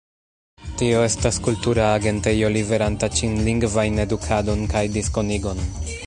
Tio estas kultura agentejo liveranta ĉinlingvajn edukadon kaj diskonigon.